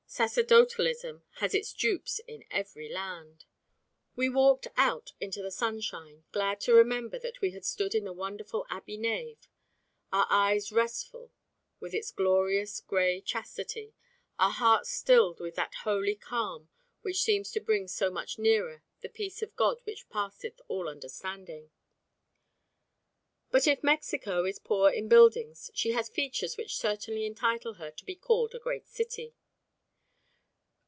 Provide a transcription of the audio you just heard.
Sacerdotalism has its dupes in every land. We walked out into the sunshine, glad to remember that we had stood in the wonderful Abbey nave, our eyes restful with its glorious grey chastity, our hearts stilled with that holy calm which seems to bring so much nearer "the peace of God which passeth all understanding." But if Mexico is poor in buildings, she has features which certainly entitle her to be called a great city.